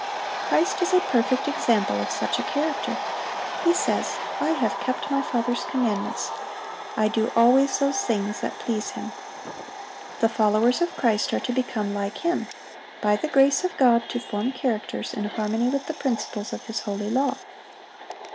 Christ is a perfect example of such a character. He says, "I have kept My Father's commandments." "I do always those things that please Him."(798) The followers of Christ are to become like Him,—by the grace of God to form characters in harmony with the principles of His holy law.